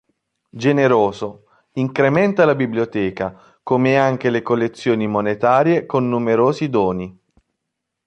Generoso, incrementa la biblioteca, come anche le collezioni monetarie con numerosi doni.